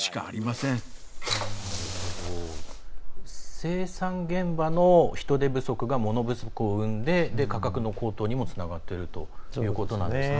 生産現場の人手不足が物不足を生んで価格の高騰にもつながっているということなんですね。